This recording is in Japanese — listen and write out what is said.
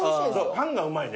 パンがうまいね。